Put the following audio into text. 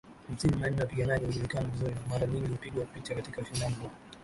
hamsini na nne Wapiganaji hujulikana vizuri na mara nyingi hupigwa picha katika ushindani huo